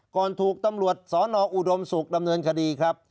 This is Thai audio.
ก่อนถูกตำรวจสนอุดมสุขดำเนินคดีครับ